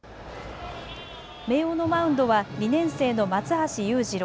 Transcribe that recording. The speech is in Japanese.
明桜のマウンドは２年生の松橋裕次郎。